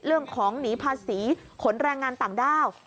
เรื่องของหนีภาษีขนแรงงานต่างด้าว